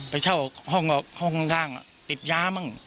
ไปเช่าห้องข้างติดย้าบ้าง